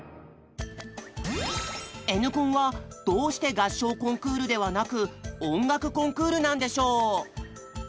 Ｎコンはどうして「合唱コンクール」ではなく「音楽コンクール」なんでしょう？